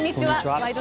「ワイド！